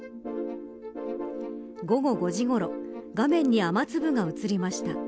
午後５時ごろ画面に雨粒が映りました。